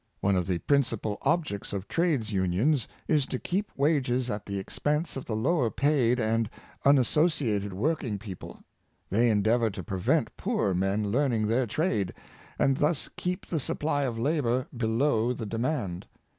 One of the principal objects of trades unions is to keep up wages at the expense of the lower paid and unassociated work ing people. They endeavor to prevent poorer men learning their trade, and thus keep the supply of labor below the demand.